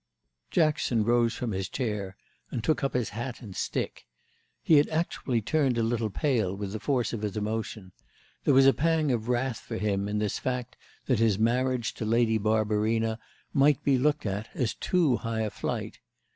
Jackson rose from his chair and took up his hat and stick. He had actually turned a little pale with the force of his emotion; there was a pang of wrath for him in this fact that his marriage to Lady Barbarina might be looked at as too high a flight.